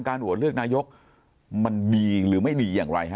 โหวตเลือกนายกมันดีหรือไม่ดีอย่างไรฮ